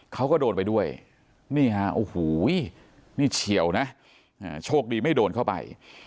เขาก็โดนไปด้วยนี่ฮะโอ้โหนี่เฉียวนะโชคดีไม่โดนเข้าไป